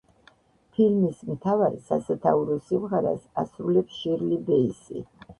ფილმის მთავარ, სასათაურო სიმღერას, ასრულებს შირლი ბეისი.